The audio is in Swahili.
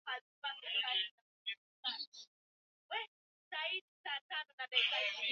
inavyoelezwa kuwa huko ndiko alikozaliwa Kinjeketile Ngwale